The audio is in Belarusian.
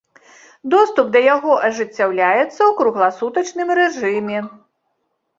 Доступ да яго ажыццяўляецца ў кругласутачным рэжыме.